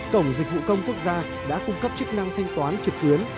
cổng dịch vụ công quốc gia đã cung cấp chức năng thanh toán trực tuyến